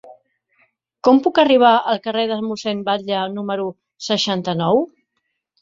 Com puc arribar al carrer de Mossèn Batlle número seixanta-nou?